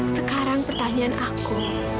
sekarang pertanyaan aku